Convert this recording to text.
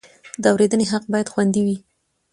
د اورېدنې حق باید خوندي وي.